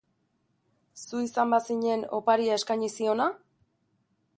Zu izan bazinen oparia eskaini ziona?